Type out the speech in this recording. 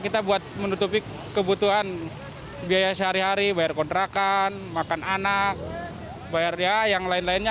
kita buat menutupi kebutuhan biaya sehari hari bayar kontrakan makan anak bayar yang lain lainnya